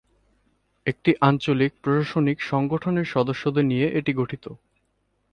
একটি আঞ্চলিক প্রশাসনিক সংগঠনের সদস্যদের নিয়ে এটি গঠিত।